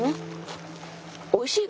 おいしい！